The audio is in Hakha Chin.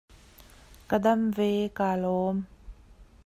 Ka dam ve, kaa lawm.